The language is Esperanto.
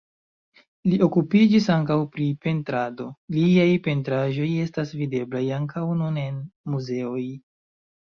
Li okupiĝis ankaŭ pri pentrado, liaj pentraĵoj estas videblaj ankaŭ nun en muzeoj.